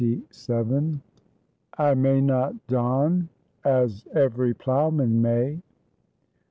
' I MAY NOT DON AS EVERY PLOUGHMAN MAY.'